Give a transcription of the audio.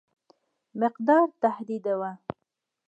مقدار تهدیداوه.